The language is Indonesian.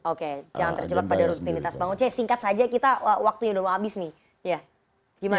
oke jangan terjebak pada rutinitas bang oce singkat saja kita waktunya udah mau habis nih ya gimana